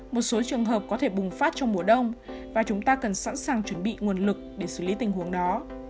một số trường hợp có thể bùng phát trong mùa đông và chúng ta cần sẵn sàng chuẩn bị nguồn lực để xử lý tình huống đó